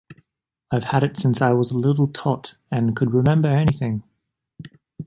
I've had it since I was a little tot and could remember anything.